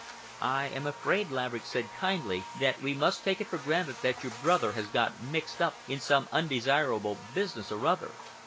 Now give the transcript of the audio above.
"I am afraid," Laverick said kindly, "that we must take it for granted that your brother has got mixed up in some undesirable business or other.